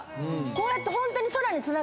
こうやってホントに。